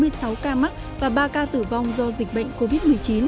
và ghi nhận thêm bốn mươi sáu ca mắc và ba ca tử vong do dịch bệnh covid một mươi chín